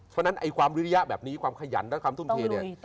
เพราะฉะนั้นความลิเศษแบบนี้ความขยันความทุนที